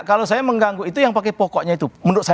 kalau saya mengganggu itu yang pakai pokoknya itu menurut saya